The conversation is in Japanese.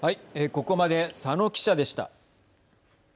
ここまで佐野記者でした。